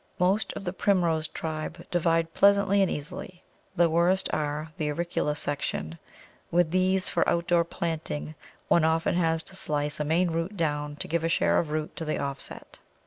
Most of the Primrose tribe divide pleasantly and easily: the worst are the auricula section; with these, for outdoor planting, one often has to slice a main root down to give a share of root to the offset.